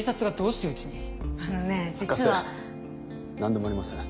何でもありません